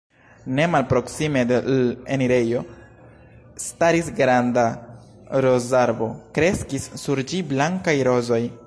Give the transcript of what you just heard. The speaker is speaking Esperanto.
Ne malproksime de l' enirejo staris granda rozarbo; kreskis sur ĝi blankaj rozoj.